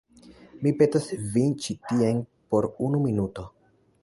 Mi petas vin ĉi tien por unu minuto.